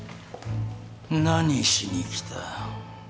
何しに来た？